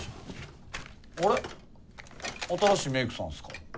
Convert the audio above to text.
あれ新しいメークさんすか？